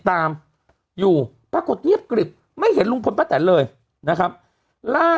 ตามอยู่ปรากฏเงียบกริบไม่เห็นลุงพลป้าแตนเลยนะครับล่า